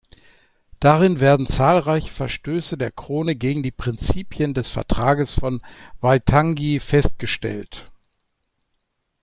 Darin werden zahlreiche Verstöße der Krone gegen die Prinzipien des Vertrages von Waitangi festgestellt.